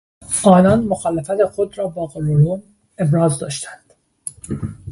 آنان مخالفت خود را با غرولند ابراز داشتند.